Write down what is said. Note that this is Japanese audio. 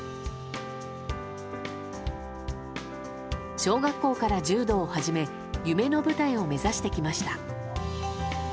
小学校から柔道を始め夢の舞台を目指してきました。